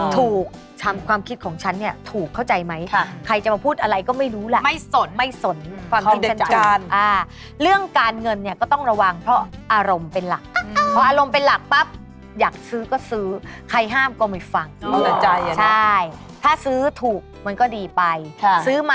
แต่พอเหมือนมีคนมาสะกิดแล้วเราก็เออโอเคพี่ภูเขาเคยเตือนแล้ว